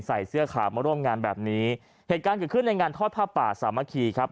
ใส่เสื้อขาวมาร่วมงานแบบนี้เหตุการณ์เกิดขึ้นในงานทอดผ้าป่าสามัคคีครับ